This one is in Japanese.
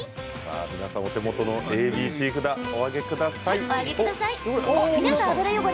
皆さんお手元の札をお上げください。